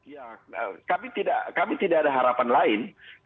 ya kami tidak ada harapan lain